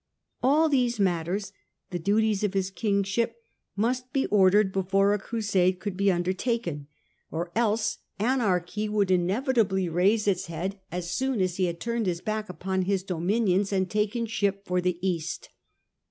All these matters, the duties of his kingship, must be ordered before a Crusade could be undertaken, THE ADVENTURE AND THE GOAL 49 or else anarchy would inevitably raise its head as soon as he had turned his back upon his dominions and taken ship for the East.